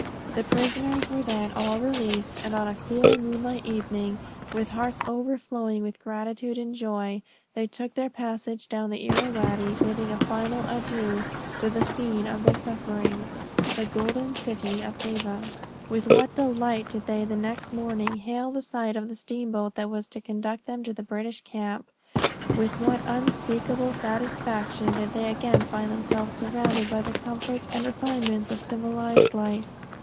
The prisoners were then all released, and on a cool moonlight evening, with hearts overflowing with gratitude and joy, they took their passage down the Irrawady, bidding a final adieu to the scene of their sufferings, the golden city of Ava. With what delight did they the next morning hail the sight of the steamboat that was to conduct them to the British camp. "With what unspeakable satisfaction did they again find themselves surrounded by the comforts and refinements of civilized life."